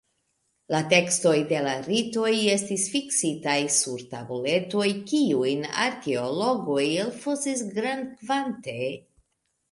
La tekstoj de la ritoj estis fiksitaj sur tabuletoj kiujn arkeologoj elfosis grandkvante.